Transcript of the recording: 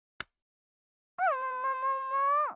ももももも？